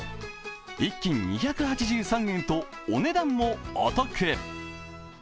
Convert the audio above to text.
１斤２８３円と、お値段もお得。